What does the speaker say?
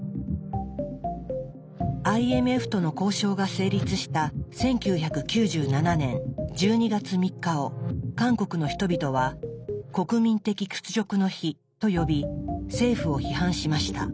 ＩＭＦとの交渉が成立した１９９７年１２月３日を韓国の人々は「国民的屈辱の日」と呼び政府を批判しました。